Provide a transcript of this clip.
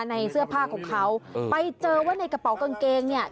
ในเสื้อผ้าของเขาไปเจอว่าในกระเป๋ากางเกงเนี่ย